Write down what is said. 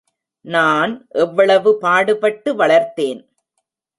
நான் எவ்வளவு பாடுபட்டு வளர்த்தேன்!